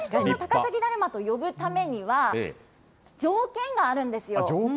高崎だるまと呼ぶためには、条件があるんですよ。